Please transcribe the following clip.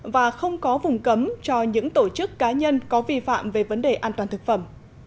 và không có vùng cấm cho những tổ chức cá nhân có vi phạm về vấn đề an toàn thực phẩm